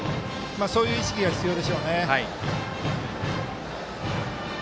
そういう意識が必要でしょうね。